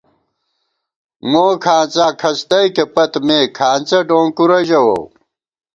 موکھانڅا کھڅ تئیکےپت مے، کھانڅہ ڈونکُورہ ژَووؤ